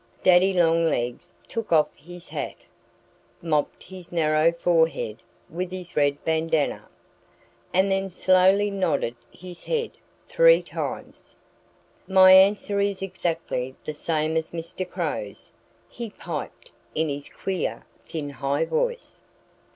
Daddy Longlegs took off his hat, mopped his narrow forehead with his red bandanna, and then slowly nodded his head three times. "My answer is exactly the same as Mr. Crow's," he piped in his queer, thin, high voice.